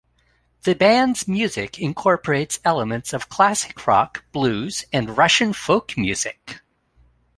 The band's music incorporates elements of classic rock, blues, and Russian folk music.